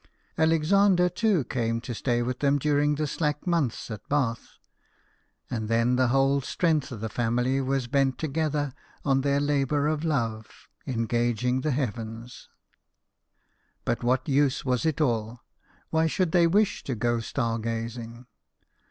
Alexander, too, came to stay with them during the slack months at Bath, and then the whole strength of the family was bent together on their labour of love in gauging the heavens. But what use was it all ? Why should they wish to go star gazing